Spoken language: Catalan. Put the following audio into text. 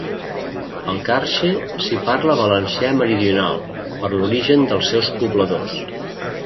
Al Carxe s'hi parla valencià meridional per l'origen dels seus pobladors.